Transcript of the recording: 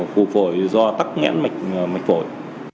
phủ phổi do tắc nghẽn mạch phổi